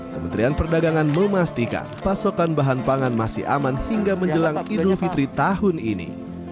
kementerian perdagangan memastikan pasokan bahan pangan masih aman hingga menjelang idul fitri tahun ini